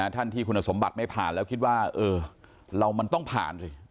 ท่านที่คุณสมบัติไม่ผ่านแล้วคิดว่าเออเรามันต้องผ่านสิ